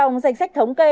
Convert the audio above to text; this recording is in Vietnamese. trong danh sách thống kê